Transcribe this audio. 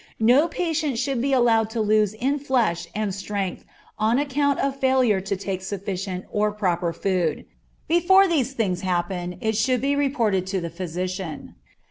No patient should be allowed to lose in flesh and strength on account of failure to take sufficient, or proper food; before these things happen it should be reported to the physician.